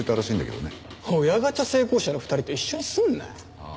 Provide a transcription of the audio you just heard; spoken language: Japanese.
親ガチャ成功者の２人と一緒にすんなよ。